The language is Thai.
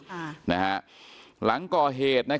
ตามข่าวเบื้องต้นก็คือพ่อเนี่ยไปเตือนลูกเรื่องการเล่นโทรศัพท์มือถือนะฮะ